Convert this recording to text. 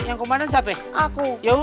yang komandan siapa ya